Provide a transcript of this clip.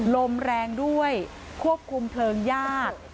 ลมแรงด้วยควบคุมเพลิงยาก